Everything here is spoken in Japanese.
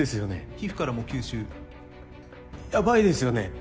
皮膚からも吸収ヤバいですよね。